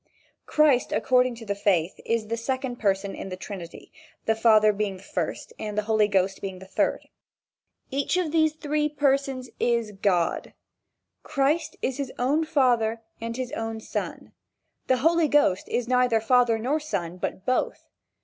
Christ, according to the faith, is the second person in the Trinity, the Father being the first and the Holy Ghost the third. Each of these three persons is God. Christ is his own father and his own son. The Holy Ghost is neither father nor son, but both.